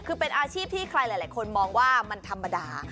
คือเป็นอาชีพที่ใครหลายคนมองว่ามันธรรมดา